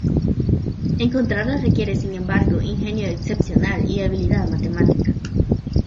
Encontrarlas requiere, sin embargo, ingenio excepcional y habilidad matemática.